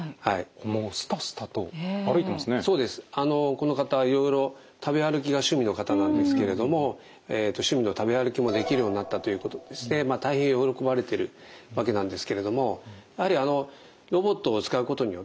この方いろいろ食べ歩きが趣味の方なんですけれども趣味の食べ歩きもできるようになったということでですね大変喜ばれているわけなんですけれどもやはりロボットを使うことによってですね